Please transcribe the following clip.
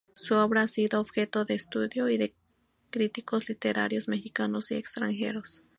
Su obra ha sido objeto de estudio de críticos literarios mexicanos y extranjeros.